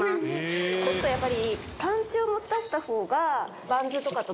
ちょっとやっぱり。